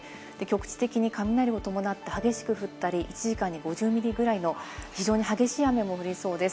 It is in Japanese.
局地的に雷を伴って激しく降ったり、１時間に５０ミリぐらいの非常に激しい雨も降りそうです。